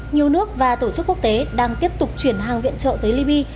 nhiều nước và tổ chức quốc tế đang tiếp tục chuyển hàng viện trợ tới liby